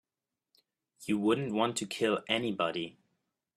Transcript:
You wouldn't want to kill anybody.